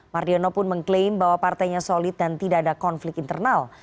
mardiono pun mengklaim bahwa partainya solid dan tidak ada konflik internal